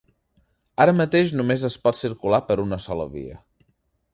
Ara mateix només es pot circular per una sola via.